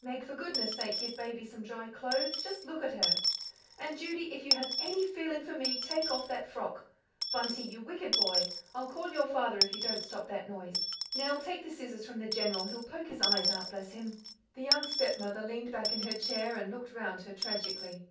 Meg, for goodness' sake give Baby some dry clothes just look at her; and, Judy, if you have any feeling for me, take off that frock. Bunty, you wicked boy, I'll call your father if you don't stop that noise. Nell, take the scissors from the General, he'll poke his eyes out, bless him." The young stepmother leaned back in her chair and looked round her tragically.